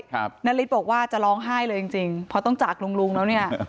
นาริสบอกว่าจะร้องไห้เลยจริงจริงเพราะต้องจากลุงลุงแล้วเนี่ย